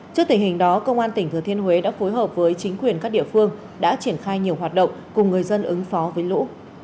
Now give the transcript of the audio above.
trước tình hình đó công an tỉnh thừa thiên huế đã phối hợp với chính quyền các địa phương đã triển khai nhiều hoạt động cùng người dân ứng phó với lũ